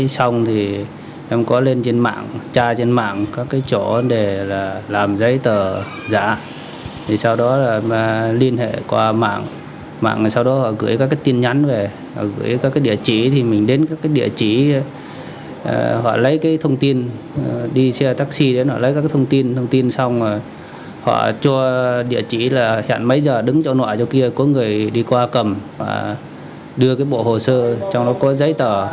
xong thì em có lên trên mạng tra trên mạng các cái chỗ để là làm giấy tờ giả thì sau đó là liên hệ qua mạng mạng sau đó họ gửi các cái tin nhắn về họ gửi các cái địa chỉ thì mình đến các cái địa chỉ họ lấy cái thông tin đi xe taxi đến họ lấy các cái thông tin thông tin xong rồi họ cho địa chỉ là hẹn mấy giờ đứng chỗ nọa chỗ kia có người đi qua cầm và đưa cái bộ hồ sơ trong đó có giấy tờ